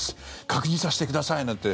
確認させてください！なんて